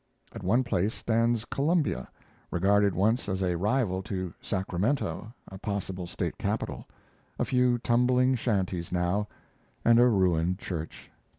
At one place stands Columbia, regarded once as a rival to Sacramento, a possible State capital a few tumbling shanties now and a ruined church.